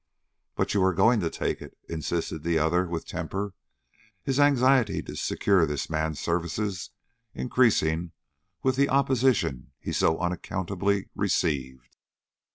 "But you are going to take it," insisted the other, with temper, his anxiety to secure this man's services increasing with the opposition he so unaccountably received.